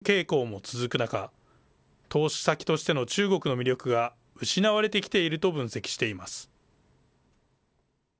団体は、中国経済の減速傾向も続く中、投資先としての中国の魅力が失われてきていると分析しています。